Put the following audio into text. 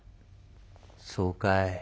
「そうかい。